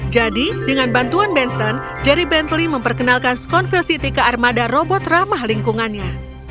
jadi dengan bantuan benson jerry bentley memperkenalkan skonville city ke armada robot ramah lingkungannya